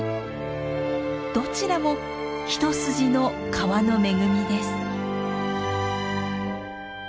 どちらも一筋の川の恵みです。